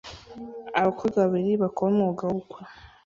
Abakobwa babiri bakora umwuga w'ubukwe